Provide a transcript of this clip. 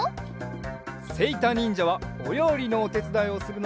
せいたにんじゃはおりょうりのおてつだいをするのがだいすき。